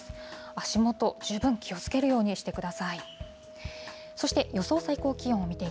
足元、十分気をつけるようにしてください。